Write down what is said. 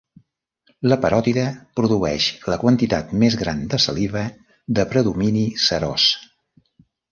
La paròtide produeix la quantitat més gran de saliva de predomini serós.